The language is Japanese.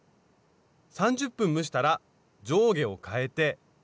３０分蒸したら上下をかえて。